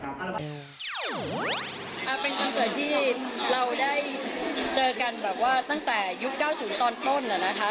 เป็นคอนเสิร์ตที่เราได้เจอกันแบบว่าตั้งแต่ยุค๙๐ตอนต้นนะคะ